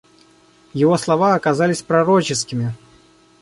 Его слова оказались пророческими.